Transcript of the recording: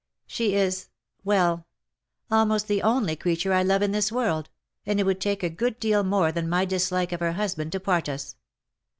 She is — well — almost the only creature I love in this world_, and it would take a good deal more than my dislike of her husband to part us.